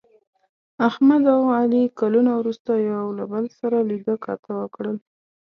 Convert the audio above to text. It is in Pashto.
احمد او علي کلونه وروسته یو له بل سره لیده کاته وکړل.